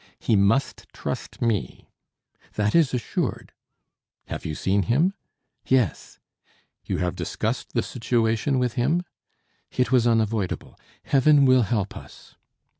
"He must trust me." "That is assured." "Have you seen him?" "Yes." "You have discussed the situation with him?" "It was unavoidable. Heaven will help us."